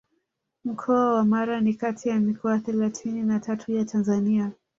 Mkoa wa Mara ni kati ya mikoa thelathini na tatu ya Tanzania